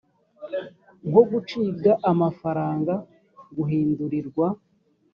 nko gucibwa amafaranga guhindurirwa